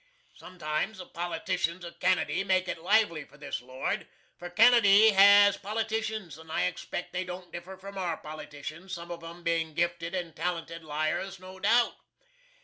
Sometimes the politicians of Canady make it lively for this lord for Canady has politicians, and I expect they don't differ from our politicians, some of 'em bein' gifted and talented liars, no doubt.